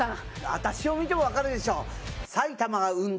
私を見てもわかるでしょ。